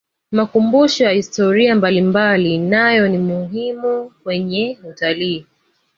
makumbusho ya historia mbalimbali nayo ni muhimu kwenye utalii